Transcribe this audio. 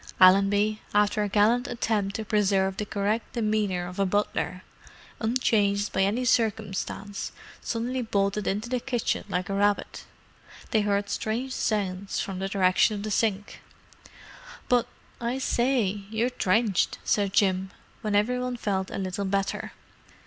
Allenby, after a gallant attempt to preserve the correct demeanour of a butler, unchanged by any circumstance, suddenly bolted into the kitchen like a rabbit. They heard strange sounds from the direction of the sink. "But, I say, you're drenched!" said Jim, when every one felt a little better.